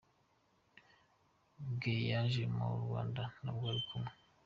bwe yaje mu Rwanda nabwo ari kumwe.